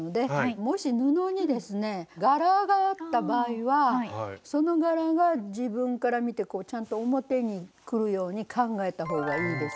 もし布にですね柄があった場合はその柄が自分から見てちゃんと表にくるように考えた方がいいです